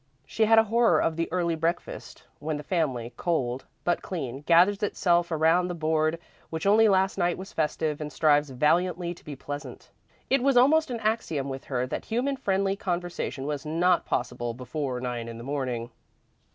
She had a horror of the early breakfast, when the family, cold, but clean, gathers itself around the board which only last night was festive and strives valiantly to be pleasant. It was almost an axiom with her that human, friendly conversation was not possible before nine in the morning.